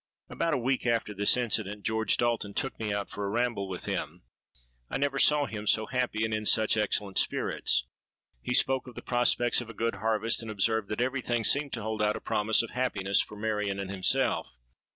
"About a week after this incident, George Dalton took me out for a ramble with him. I never saw him so happy and in such excellent spirits. He spoke of the prospects of a good harvest; and observed that every thing seemed to hold out a promise of happiness for Marion and himself.